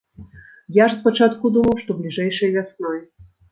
Я ж спачатку думаў, што бліжэйшай вясной.